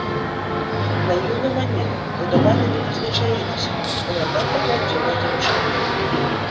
Наіўна маніла, бо да маны не прызвычаілася, была надта праўдзівая дзяўчынка.